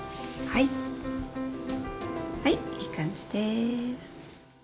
はいいい感じです。